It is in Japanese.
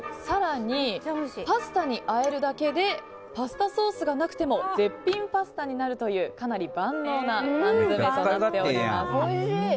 更に、パスタに和えるだけでパスタソースがなくても絶品パスタになるというかなり万能な缶詰となっております。